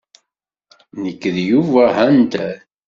Nekk d Yuba Hunter.